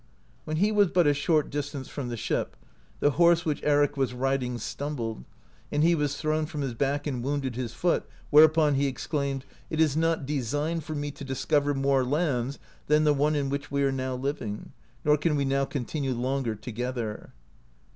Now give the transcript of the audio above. When he was but a short distance from the ship, the horse which Eric was riding stumbled, and he was thrown from his back and wounded his foot, whereupon he exclaimed, "It is not designed for me to discover more lands than the one in which we are now living, nor can we now con tinue longer together."